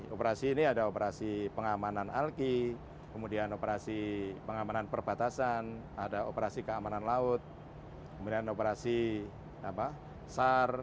operasi ini ada operasi pengamanan alki kemudian operasi pengamanan perbatasan ada operasi keamanan laut kemudian operasi sar